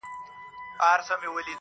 دا حالت زموږ د بحث